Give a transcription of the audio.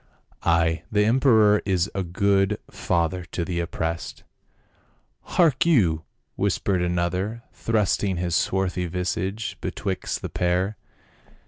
Ay ! the emperor is a good father to the oppressed." "Hark you," whispered another, thrusting his swarthy visage betwixt the pair.